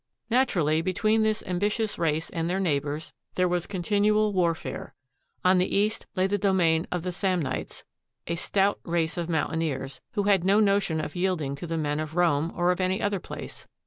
Naturally, between this ambi tious race and their neighbors there was continual warfare. On the east lay the domain of the Samnites, a stout race of mountaineers, who had no notion of yielding to the men of Rome or of any other place.